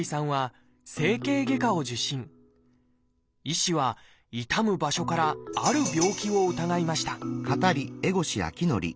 医師は痛む場所からある病気を疑いました